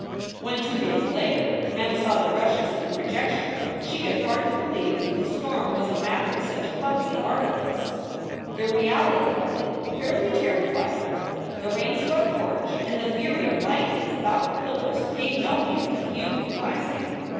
" When, two days later, Mem saw the rushes in the projec tion room, she could hardly believe that the storm was a mat ter of such clumsy artifice. The reality of it fairly terrified her. The rain swept porch and the fury of lightnings about the pillars gave no hint of human devising.